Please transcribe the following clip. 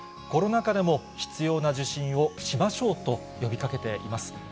コロナ禍でも必要な受診をしましょうと呼びかけています。